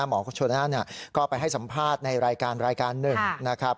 หมอชนนั่นก็ไปให้สัมภาษณ์ในรายการรายการหนึ่งนะครับ